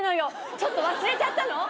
ちょっと忘れちゃったの？